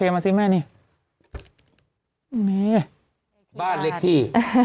บ้านเลขที่๑๗๒๗๑๒๒๑๗